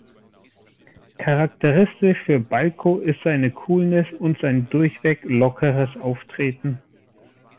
Charakteristisch für Balko ist seine Coolness und sein durchweg „lockeres“ Auftreten.